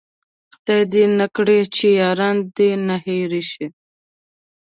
خداې دې نه کړي چې ياران د ده نه هير شي